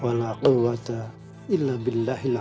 uh ada kata k heartulih wasue